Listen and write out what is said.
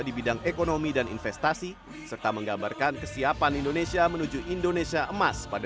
di bidang ekonomi dan investasi serta menggambarkan kesiapan indonesia menuju indonesia emas pada dua ribu empat belas